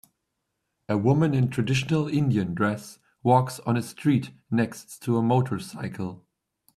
A woman in traditional Indian dress walks on a street next to a motorcycle.